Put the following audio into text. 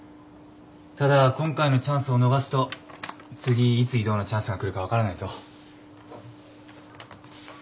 ただ今回のチャンスを逃すと次いつ異動のチャンスが来るか分からないぞ。